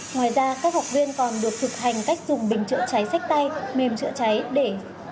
ngoài ra các học viên còn được thực hành cách dùng bình chữa cháy sách tay mềm chữa cháy để